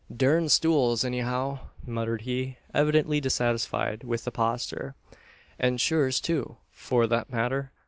"Durn stools, anyhow!" muttered he, evidently dissatisfied with the posture; "an' churs, too, for thet matter.